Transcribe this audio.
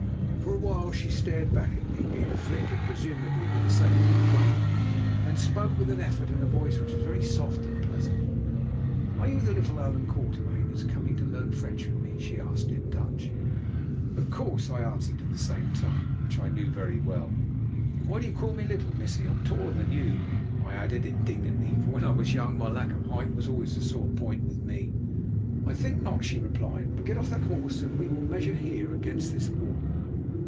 For a while she stared back at me, being afflicted, presumably, with the same complaint, then spoke with an effort, in a voice that was very soft and pleasant. "Are you the little Allan Quatermain who is coming to learn French with me?" she asked in Dutch. "Of course," I answered in the same tongue, which I knew well; "but why do you call me little, missie? I am taller than you," I added indignantly, for when I was young my lack of height was always a sore point with me. "I think not," she replied. "But get off that horse, and we will measure here against this wall."